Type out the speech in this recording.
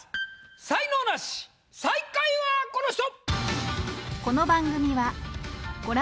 才能ナシ最下位はこの人！